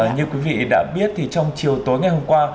như quý vị đã biết thì trong chiều tối ngày hôm qua